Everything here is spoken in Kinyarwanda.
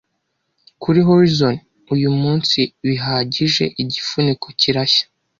Kuri horizon. Uyu munsi bihagije igifuniko kirashya